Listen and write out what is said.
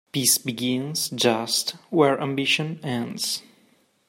Peace begins just where ambition ends.